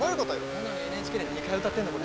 なのにＮＨＫで２回歌ってるのこれ。